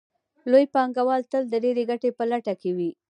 لوی پانګوال تل د ډېرې ګټې په لټه کې وي